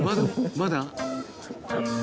まだ？